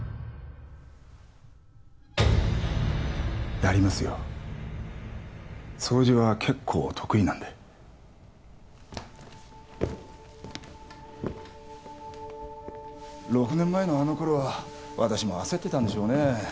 やりますよ掃除は結構得意なんで６年前のあの頃は私も焦ってたんでしょうね